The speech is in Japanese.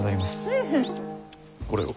うん。これを。